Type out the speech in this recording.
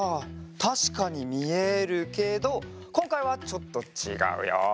たしかにみえるけどこんかいはちょっとちがうよ。